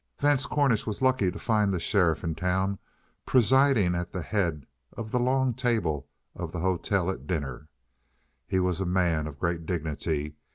Vance Cornish was lucky to find the sheriff in town presiding at the head of the long table of the hotel at dinner. He was a man of great dignity.